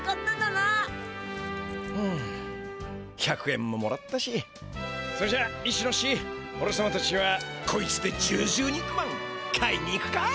１００円ももらったしそれじゃイシシノシシおれさまたちはこいつでじゅうじゅう肉まん買いに行くか！